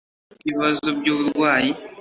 nubwo bafite ibibazo by uburwayi